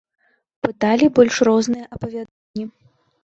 Пыталі больш розныя апавяданні.